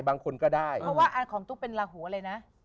เพราะว่าของตุ๊กเป็นลาหูอะไรนะ